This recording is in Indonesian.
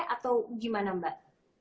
atau gimana mbak